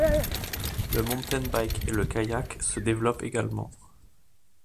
Le mountain bike et le kayak se développent également.